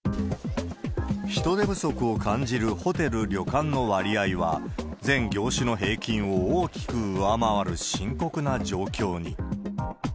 人手不足を感じるホテル、旅館の割合は、全業種の平均を大きく上回る深刻な状況に。